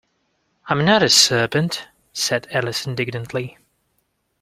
‘I’m not a serpent!’ said Alice indignantly.